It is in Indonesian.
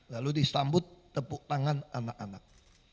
lalu disambut tepuk tangan anak anak